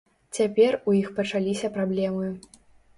Цяпер у іх пачаліся праблемы.